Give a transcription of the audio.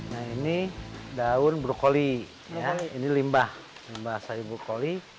nah ini daun brokoli ini limbah sayur brokoli